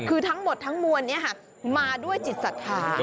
คือทั้งหมดทั้งมวลนี้มาด้วยจิตศรัทธา